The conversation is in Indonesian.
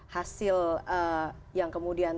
hasil yang kemudian